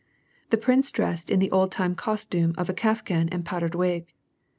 The prince dressed in the old time costiune of a kaftan and powdered wig.